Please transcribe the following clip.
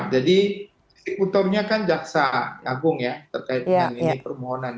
jadi utamanya kan jaksa agung ya terkait dengan ini permohonan